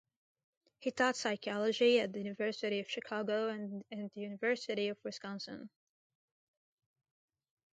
He taught psychology at the University of Chicago and at the University of Wisconsin.